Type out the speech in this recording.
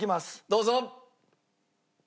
どうぞ！